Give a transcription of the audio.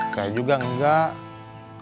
saya juga nggak